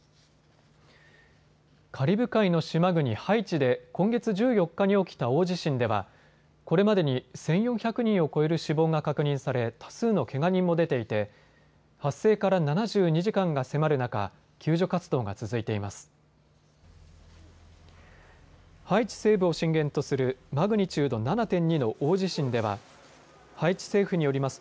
カリブ海の島国ハイチで今月１４日に起きた大地震ではこれまでに１４００人を超える死亡が確認され多数のけが人も出ていて発生から７２時間が迫る中、救助活動が続いています。